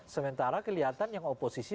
sementara kelihatan yang oposisi